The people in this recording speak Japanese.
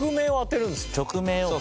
曲名をか。